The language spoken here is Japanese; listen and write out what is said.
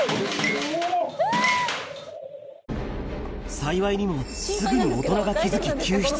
幸いにも、すぐに大人が気付き、救出。